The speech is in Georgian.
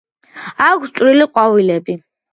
აქვს წვრილი ყვავილები.